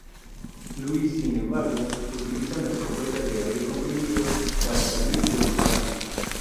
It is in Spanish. Luis, sin embargo, utilizan la escopeta de aire comprimido para salir del paso.